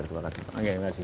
terima kasih pak